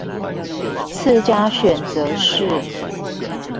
次佳選擇是